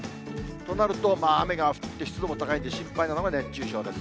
となると、雨が降って湿度も高いんで、心配なのが熱中症です。